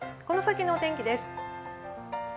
この先のお天気です。